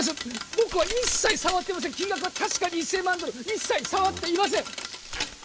僕は一切触ってません金額は確かに１千万ドル一切触っていません